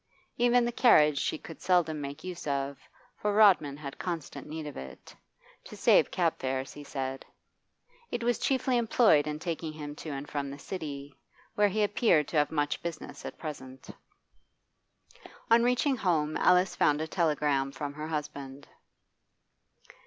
Even the carriage she could seldom make use of, for Rodman had constant need of it to save cab fares, he said. It was chiefly employed in taking him to and from the City, where he appeared to have much business at present. On reaching home Alice found a telegram from her husband.